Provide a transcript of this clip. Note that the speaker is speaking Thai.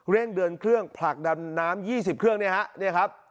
เร่งเดินเครื่องผลักดันน้ำ๒๐เครื่องนี่ครับ